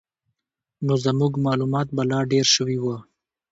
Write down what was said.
نو زموږ معلومات به لا ډېر شوي وو.